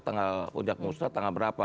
tanggal puncak musra tanggal berapa